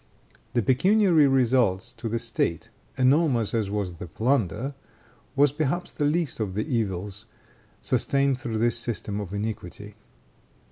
The pecuniary results to the state, enormous as was the plunder, was perhaps the least of the evils sustained through this system of iniquity.